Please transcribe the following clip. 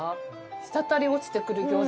滴り落ちてくる餃子